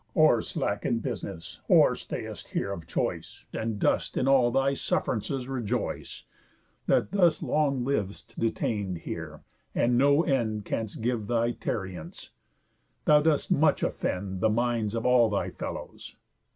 Or slack in business, or stay'st here of choice, And dost in all thy suff'rances rejoice, That thus long liv'st detain'd here, and no end Canst give thy tarriance? Thou dost much offend The minds of all thy fellows.